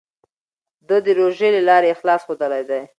ده د روژې له لارې اخلاص ښودلی دی.